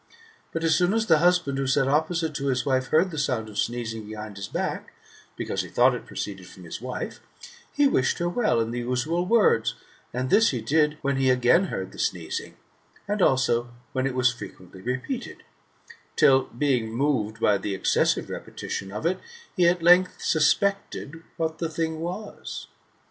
But as soon as the husband, who sat opposite to his wife, heard the sound of sneezing behind his back, because he thought it proceeded from his wife, he wished her well in the usual words,^ and this he did when he again heard the sneezing, and also when it was frequently repeated; till being moved by the excessive repetition of it, he at length suspected what the thing was.